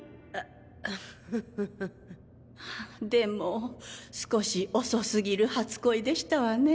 あハハハでも少し遅すぎる初恋でしたわね。